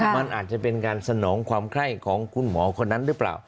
มันอาจจะเป็นการสนองความไข้ของคุณหมอคนนั้นหรือเปล่า